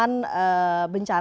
tidak berdiam diri